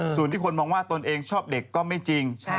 ส่วนที่คนมองว่าตนเองชอบเด็กก็ไม่จริง